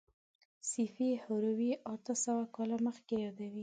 سیفي هروي اته سوه کاله مخکې یادوي.